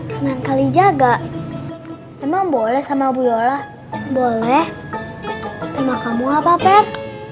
senang kali jaga emang boleh sama bu yola boleh sama kamu apa pep